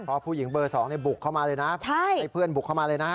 เพราะผู้หญิงเบอร์๒บุกเข้ามาเลยนะให้เพื่อนบุกเข้ามาเลยนะ